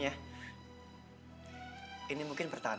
terima kasih sayang